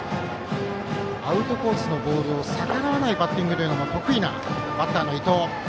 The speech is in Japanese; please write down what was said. アウトコースのボールを逆らわないバッティングが得意なバッターの伊藤。